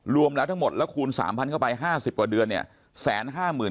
รวมแล้วทั้งหมดแล้วคูณ๓๐๐เข้าไป๕๐กว่าเดือนเนี่ย